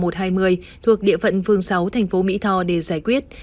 thuộc địa phận vương sáu thành phố mỹ tho để giải quyết